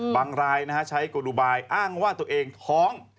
บางรายใช้กลุบายอ้างว่าตัวเองท้อง